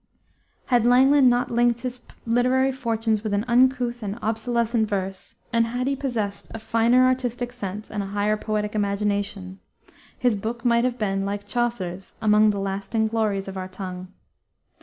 Had Langland not linked his literary fortunes with an uncouth and obsolescent verse, and had he possessed a finer artistic sense and a higher poetic imagination, his book might have been, like Chaucer's, among the lasting glories of our tongue.